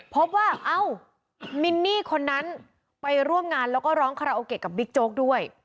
พบว่าเอ้ามินนี่คนนั้นไปร่วมงานแล้วก็ร้องคาราโอเกะกับบิ๊กโจ๊กด้วย